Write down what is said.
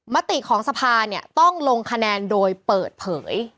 มติของสภาเนี่ยต้องลงคะแนนโดยเปิดเผย